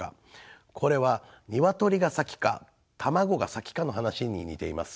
これは鶏が先か卵が先かの話に似ています。